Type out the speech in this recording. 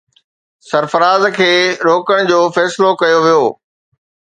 سرفراز کي روڪڻ جو فيصلو ڪيو ويو.